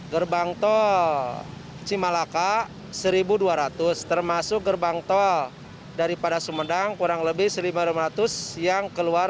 gerbang tol cimalaka seribu dua ratus termasuk gerbang tol daripada sumedang kurang lebih satu lima ratus yang keluar